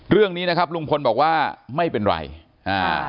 เรื่องนี้นะครับลุงพลบอกว่าไม่เป็นไรอ่า